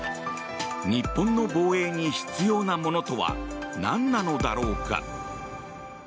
日本の防衛に必要なものとはなんなのだろうか。